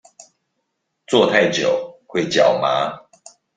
坐太久會腳麻